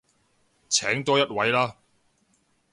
請多一位啦